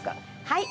はい。